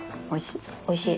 おいしい？